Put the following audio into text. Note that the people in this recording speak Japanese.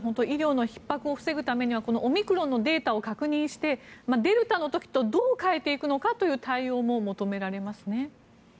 医療のひっ迫を防ぐためにはオミクロンのデータを確認してデルタの時とどう変えていくのかという対応も求められますね。